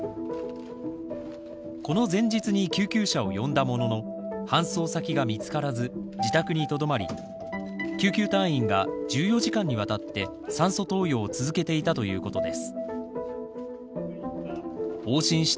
この前日に救急車を呼んだものの搬送先が見つからず自宅にとどまり救急隊員が１４時間にわたって酸素投与を続けていたということです。